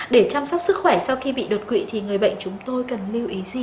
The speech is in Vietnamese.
để chăm sóc sức khỏe sau khi bị đột quỵ thì người bệnh chúng tôi cần lưu ý gì